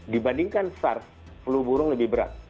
dibandingkan sars flu burung lebih berat